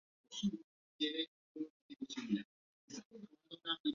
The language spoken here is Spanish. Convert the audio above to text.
En Roma tuvo que hacer frente a los más grandes escultores clásicos.